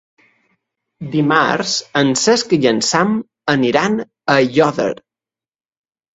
Dimarts en Cesc i en Sam aniran a Aiòder.